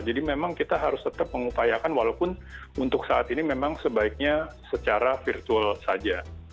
jadi memang kita harus tetap mengupayakan walaupun untuk saat ini memang sebaiknya secara virtual saja